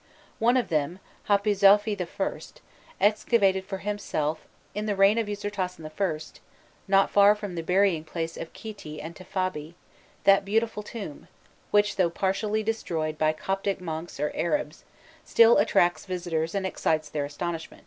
One of them, Hapizaûfi I., excavated for himself, in the reign of Ûsirtasen I., nor far from the burying place of Khîti and Tefabi, that beautiful tomb, which, though partially destroyed by Coptic monks or Arabs, still attracts visitors and excites their astonishment.